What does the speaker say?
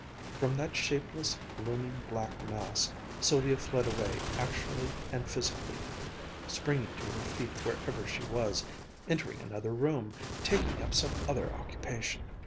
From that shapeless, looming, black mass, Sylvia fled away actually and physically, springing to her feet wherever she was, entering another room, taking up some other occupation.